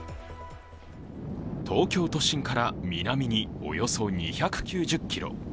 東京都心から南におよそ２９０ｋｍ。